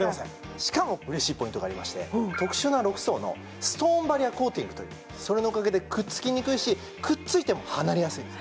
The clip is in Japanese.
しかも嬉しいポイントがありまして特殊な６層のストーンバリアコーティングというそれのおかげでくっつきにくいしくっついても離れやすいんです